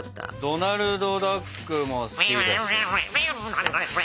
ドナルドダックも好き。